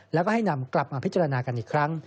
แล้วก็ให้นำกลับมาพิจารณากันอีกครั้ง